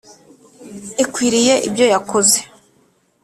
ikwiriye ibyo yakoze